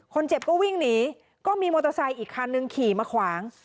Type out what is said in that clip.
คนเจ็บก็วิ่งหนีก็มีมอเตอร์ไซค์อีกคันนึงขี่มาขวาง